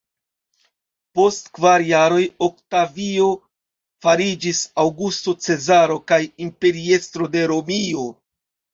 Post kvar jaroj, Oktavio fariĝis Aŭgusto Cezaro kaj imperiestro de Romio.